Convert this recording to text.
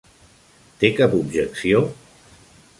Té cap objecció?